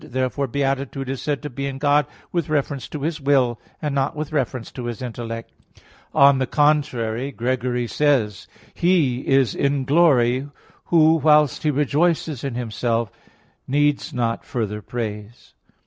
Therefore beatitude is said to be in God with reference to His will, and not with reference to His intellect. On the contrary, Gregory says (Moral. xxxii, 7): "He is in glory, Who whilst He rejoices in Himself, needs not further praise."